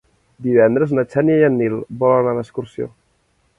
Divendres na Xènia i en Nil volen anar d'excursió.